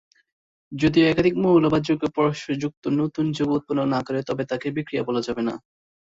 যদি একাধিক মৌল বা যৌগ পরস্পর যুক্ত নতুন যৌগ উৎপন্ন না-করে তবে তাকে বিক্রিয়া বলা যাবে না।